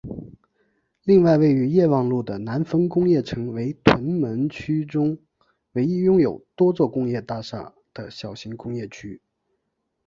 另外位于业旺路的南丰工业城为屯门区中唯一拥有多座工业大厦的小型工业区。